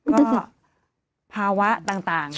ก็ภาวะต่าง